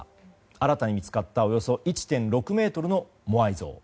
新たに見つかったおよそ１．６ｍのモアイ像。